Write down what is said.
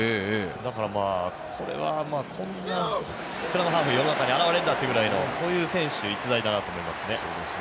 だから、これはこんなスクラムハーフが世の中にいるんだというそういう選手、逸材だなと思いますね。